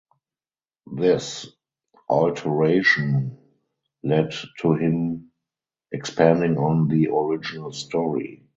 This alteration led to him expanding on the original story.